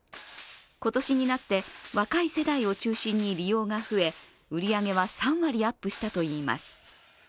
今年になって若い世代を中心に利用が増え、売り上げは３割アップしたといいます。